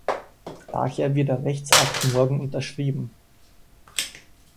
Daher wird der Rechtsakt morgen unterschrieben.